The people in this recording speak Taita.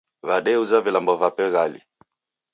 W'adeuza vilambo vape ghali